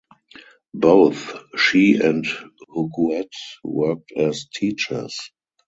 Both she and Huguette worked as teachers.